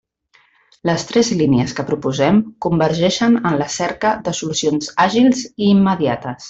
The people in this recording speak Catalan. Les tres línies que proposem convergeixen en la cerca de solucions àgils i immediates.